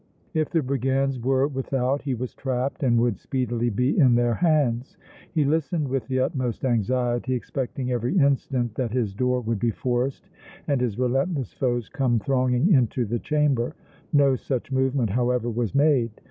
If the brigands were without he was trapped and would speedily be in their hands. He listened with the utmost anxiety, expecting every instant that his door would be forced and his relentless foes come thronging into the chamber. No such movement, however, was made.